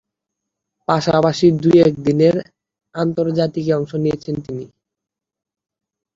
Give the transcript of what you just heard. পাশাপাশি দুইটি একদিনের আন্তর্জাতিকে অংশ নিয়েছেন তিনি।